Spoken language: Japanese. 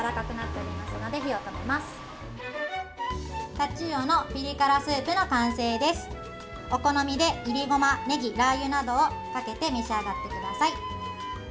お好みで、いりごま、ねぎラー油などをかけて召し上がってください。